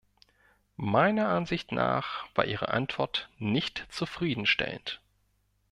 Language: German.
Meiner Ansicht nach war Ihre Antwort nicht zufriedenstellend.